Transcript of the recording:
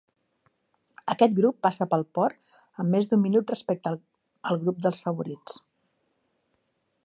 Aquest grup passà pel port amb més d'un minut respecte al grup dels favorits.